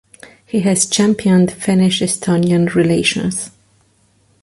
He has championed Finnish-Estonian relations.